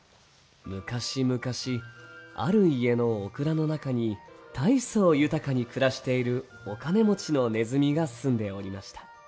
昔々、ある家のお蔵の中に大層、豊かに暮らしているお金持ちのねずみが住んでおりました。